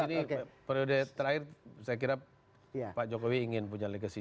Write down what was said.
ini periode terakhir saya kira pak jokowi ingin punya legacy